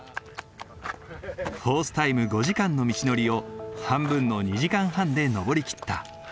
コースタイム５時間の道のりを半分の２時間半で登り切った。